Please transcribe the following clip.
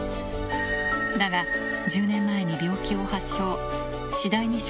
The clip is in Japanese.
だが、１０年前に病気を発症。